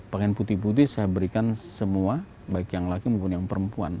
pakaian putih putih saya berikan semua baik yang laki maupun yang perempuan